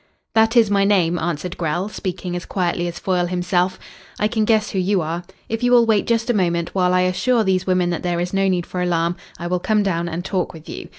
"That is my name," answered Grell, speaking as quietly as Foyle himself. "I can guess who you are. If you will wait just a moment while I assure these women that there is no need for alarm I will come down and talk with you.